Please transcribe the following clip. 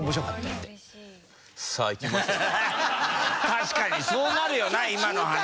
確かにそうなるよな今の話。